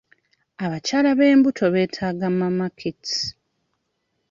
Abakyala b'embuto beetaaga mama kits.